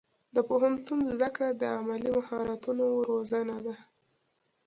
د پوهنتون زده کړه د عملي مهارتونو روزنه ده.